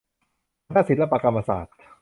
คณะศิลปกรรมศาสตร์